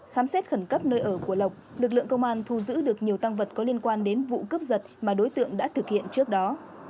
khám xét khẩn cấp nơi ở của lộc lực lượng công an thu giữ được nhiều tăng vật có liên quan đến vụ cướp giật mà đối tượng đã thực hiện trước đó